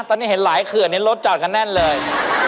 ตอนนี้เห็นหลายเขื่อนเล่นโต๊ะจ่อนกันแน่นเลย